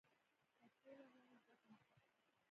• که سوله غواړې، زغم زده کړه.